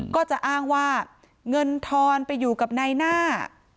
ก็จะอ้างว่าเงินทอนไปอยู่กับนายหน้า